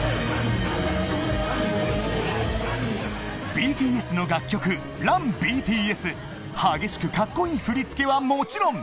ＢＴＳ の楽曲『ＲｕｎＢＴＳ』激しくカッコいい振り付けはもちろん